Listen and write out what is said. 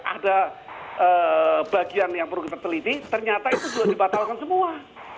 ada bagian yang perlu kita teliti ternyata itu sudah dibatalkan semua